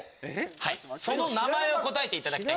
その名前を答えていただきたい。